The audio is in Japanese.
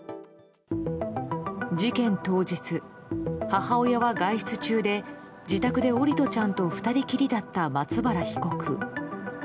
事件当日、母親は外出中で自宅で桜利斗ちゃんと２人きりだった松原被告。